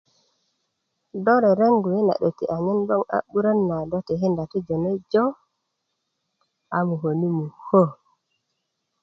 do tereŋgu yi na 'döti anyen gboŋ a burön na do tikinda ti jone jo a muköni mukö